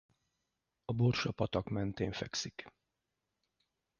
A Borsa-patak mentén fekszik.